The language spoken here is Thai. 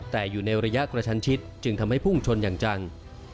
แต่อยู่ในระยะกระชันชิดจึงทำให้พุ่งชนอย่างจัง